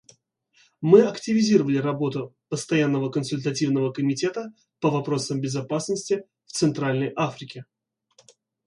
Мы активизировали работу Постоянного консультативного комитета по вопросам безопасности в Центральной Африке.